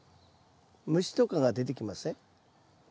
虫とかが出てきません？